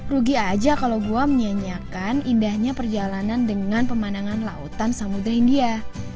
rugi aja kalau gua menyanyiakan indahnya perjalanan dengan pemandangan lautan samudera india